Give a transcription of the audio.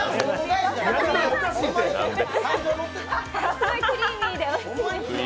すごいクリーミーでおいしいです。